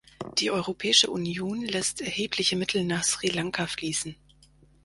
Die Europäische Union lässt erhebliche Mittel nach Sri Lanka fließen.